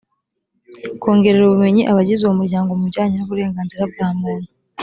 kongerera ubumenyi abagize uwo muryango mu bijyanye n uburenganzira bwa muntu